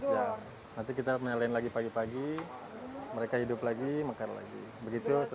dua belas jam nanti kita menyalain lagi pagi pagi mereka hidup lagi makan lagi begitu